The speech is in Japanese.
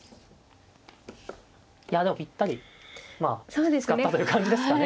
いやでもぴったりまあ使ったという感じですかね。